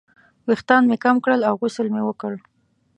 ویښتان مې کم کړل او غسل مې وکړ.